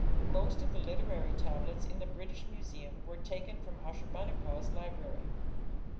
Most of the literary tablets in the British Museum were taken from Ashur bani pal's library.